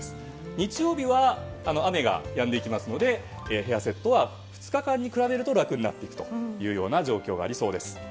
日曜日は雨が止んでいくのでヘアセットは２日間に比べると楽になっていくというような状況がありそうです。